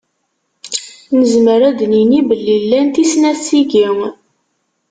Nezmer ad d-nini belli llant i snat tigi.